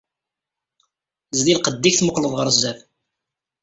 Zdi lqedd-ik temmuqleḍ ɣer sdat.